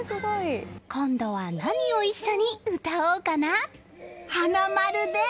今度は何を一緒に歌おうかな？はなまるです！